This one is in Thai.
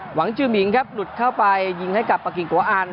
หวังจืมิงครับหลุดเข้าไปยิงให้กับปะกิงกัวอัน